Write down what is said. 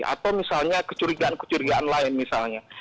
atau misalnya kecurigaan kecurigaan lain misalnya